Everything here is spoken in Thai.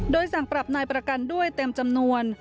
โดยสั่งปรับนายประกันด้วยเต็มจำนวน